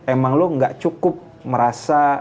emang lo gak cukup merasa